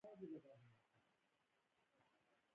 هغه به ژمنه کوله چې بیا داسې کار نه کوي.